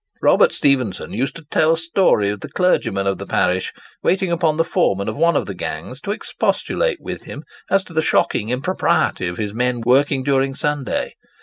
Robert Stephenson used to tell a story of the clergyman of the parish waiting upon the foreman of one of the gangs to expostulate with him as to the shocking impropriety of his men working during Sunday.